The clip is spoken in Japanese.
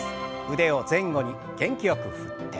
腕を前後に元気よく振って。